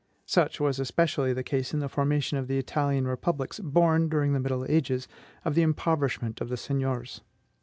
Such was especially the case in the formation of the Italian republics, born, during the middle ages, of the impoverishment of the seigniors.